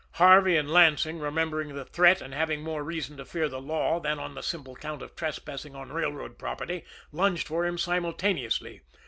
Harvey and Lansing, remembering the threat, and having more reason to fear the law than on the simple count of trespassing on railroad property, lunged for him simultaneously.